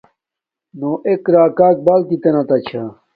نو ایک راکاک بلتت تا چھا